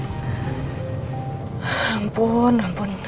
ya ampun ampun